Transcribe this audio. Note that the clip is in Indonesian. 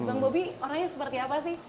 bang bobi orangnya seperti apa sih